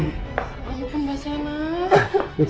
ya ampun gak usah mas